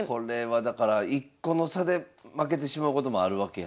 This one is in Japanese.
だから１個の差で負けてしまうこともあるわけや。